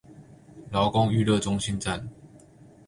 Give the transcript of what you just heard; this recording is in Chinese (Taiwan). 勞工育樂中心站